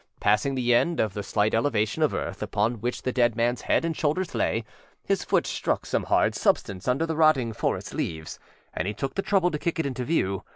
Passing the end of the slight elevation of earth upon which the dead manâs head and shoulders lay, his foot struck some hard substance under the rotting forest leaves, and he took the trouble to kick it into view.